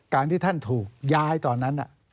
การที่ท่านถูกย้ายตอนนั้น